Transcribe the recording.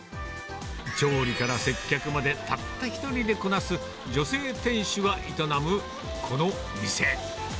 調理から接客まで、たった一人でこなす女性店主が営むこの店。